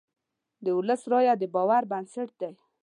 د ولس رایه د باور بنسټ دی.